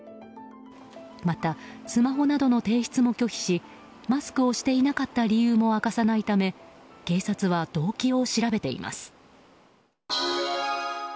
また、スマホなどの提出も拒否しマスクをしていなかった理由も明かさないため警察は動機を調べています。